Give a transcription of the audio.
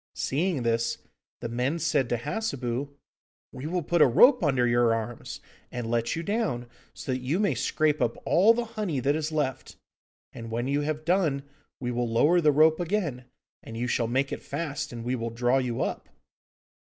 Seeing this, the men said to Hassebu, 'We will put a rope under your arms, and let you down, so that you may scrape up all the honey that is left, and when you have done we will lower the rope again, and you shall make it fast, and we will draw you up.